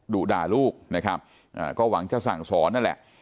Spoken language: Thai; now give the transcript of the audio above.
ดุด่าลูกนะครับก็หวังจะสั่งสอนนั่นแหละ